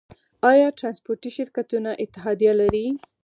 آیا ټرانسپورټي شرکتونه اتحادیه لري؟